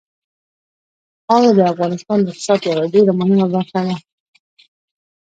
خاوره د افغانستان د اقتصاد یوه ډېره مهمه برخه ده.